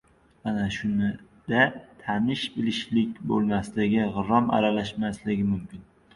Ana shunda tanish-bilishlik bo‘lmasligi, g‘irrom aralashmasligi mumkin.